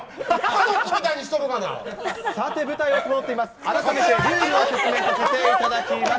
さて、舞台は整っています。